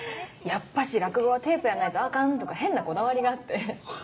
「やっぱし落語はテープやないとあかん」とか変なこだわりがあって。